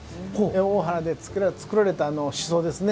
大原で作られたしそですね。